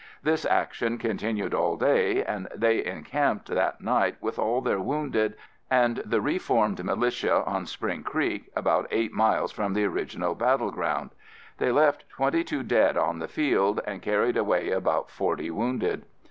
This action continued all day, and they encamped that night with all their wounded and the reformed militia on Spring Creek, about eight miles from the original battle ground. They left twenty two dead on the field and carried away about forty wounded.